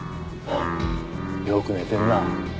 よく寝てるな。